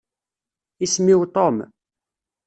Isem-iw Tom.